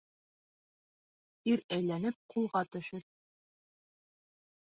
Ир әйләнеп ҡулға тошөр